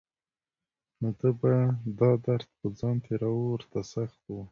نو ده به دا درد په ځان تېراوه ورته سخت و.